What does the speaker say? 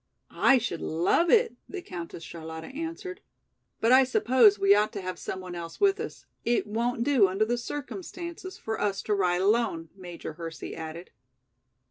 "I should love it," the Countess Charlotta answered. "But I suppose we ought to have some one else with us; it won't do under the circumstances for us to ride alone," Major Hersey added.